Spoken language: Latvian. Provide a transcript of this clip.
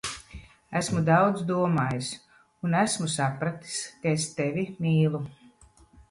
Esmu daudz domājis, un esmu sapratis, ka es tevi mīlu.